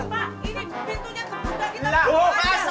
pak ini pintunya terbuka kita